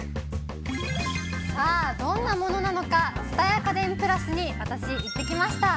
さあ、どんなものなのか、蔦屋家電プラスに私、行ってきました。